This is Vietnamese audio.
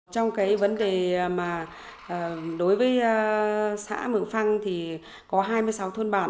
trong cái vấn đề mà đối với xã mường phăng thì có hai mươi sáu thôn bản